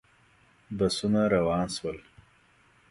بسونه روان شول.